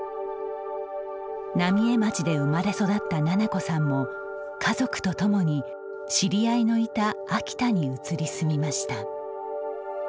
浪江町で生まれ育った菜々子さんも、家族と共に知り合いのいた秋田に移り住みました。